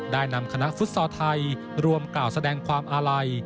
ได้นำคณะฟุตซอลไทยรวมกล่าวแสดงความอาลัย